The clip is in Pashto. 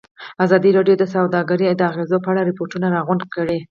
ازادي راډیو د سوداګري د اغېزو په اړه ریپوټونه راغونډ کړي.